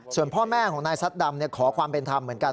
ส่วนพ่อแม่ของนายซัดดำขอความเป็นธรรมเหมือนกัน